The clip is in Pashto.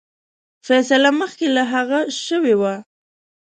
فیصله مخکي له هغه شوې وه.